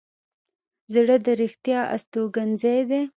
زړه د رښتیا استوګنځی دی.